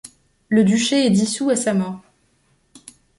Le duché est dissout à sa mort.